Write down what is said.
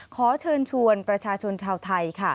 ขอเชิญชวนประชาชนชาวไทยค่ะ